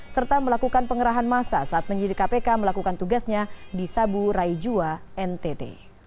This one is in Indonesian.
serta melakukan pengerahan masa saat penyidik kpk melakukan tugasnya di sabu raijua ntt